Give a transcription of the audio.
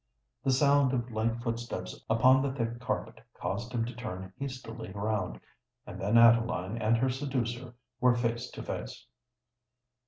The sound of light footsteps upon the thick carpet caused him to turn hastily round;—and then Adeline and her seducer were face to face.